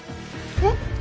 えっ？